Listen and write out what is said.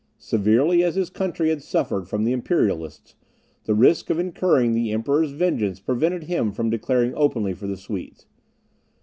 Severely as his country had suffered from the Imperialists, the risk of incurring the Emperor's vengeance prevented him from declaring openly for the Swedes.